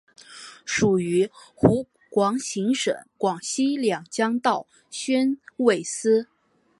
属于湖广行省广西两江道宣慰司。